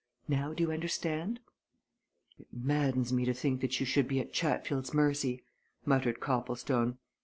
Now do you understand?" "It maddens me to think that you should be at Chatfield's mercy!" muttered Copplestone.